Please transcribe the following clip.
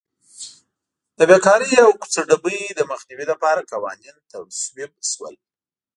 د بېکارۍ او کوڅه ډبۍ د مخنیوي لپاره قوانین تصویب شول.